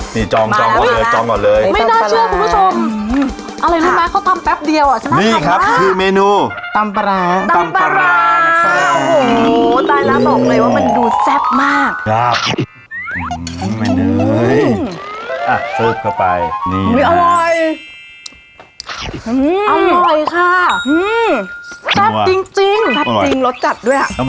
นี่จองออกเลยไม่น่าเชื่อคุณผู้ชม